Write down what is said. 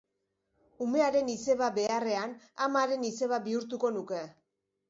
Umearen izeba beharrean, amaren izeba bihurtuko nuke.